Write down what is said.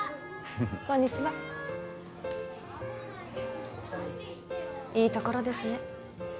こんにちはいいところですね